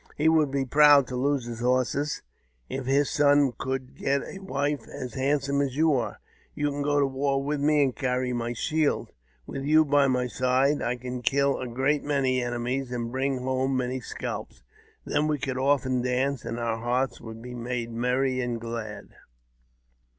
He would be proud to lose his horses if his son could get a wife as handsome as you are. You can go to war with me, and carry my shield. With you by my side, I could kill a great many enemies, and bring home many scalps. Then we could often dance, and our hearts would be made merry and glad."